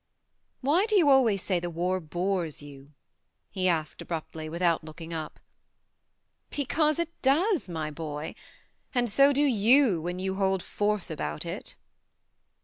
"Why do you always say the war bores you ?" he asked abruptly, without looking up. " Because it does, my boy ; and so do you, when you hold forth about it."